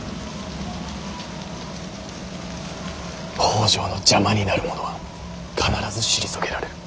北条の邪魔になる者は必ず退けられる。